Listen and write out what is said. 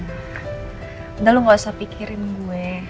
nanti lo gak usah pikirin gue